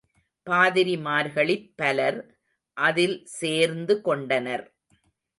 பாதிரிமார்களிற் பலர் அதில் சேர்ந்து கொண்டனர்.